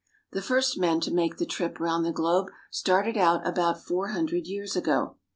The first men to make the trip round the globe started out about four hundred years ago.